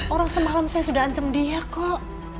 orang semalam saya sudah ancam dia kok